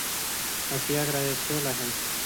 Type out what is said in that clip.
Así agradeció la gente.